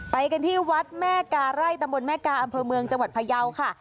ไปกันที่วัดแม่กาไร่ตำบลแม่กาอำเภอเมืองจังหวัดพยาวค่ะ